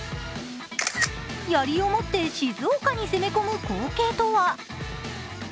やりを持って静岡に攻め込む光景とは？